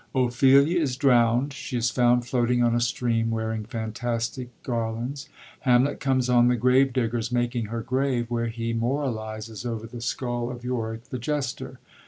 Ophelia is drownd ; she is found floating on a stream, wearing fantastic garlands. Hamlet comes on the grave diggers making her grave, where he moralises over the skull of Torick the jester.